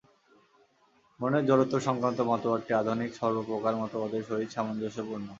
মনের জড়ত্ব-সংক্রান্ত মতবাদটি আধুনিক সর্বপ্রকার মতবাদের সহিত সামঞ্জস্যপূর্ণ।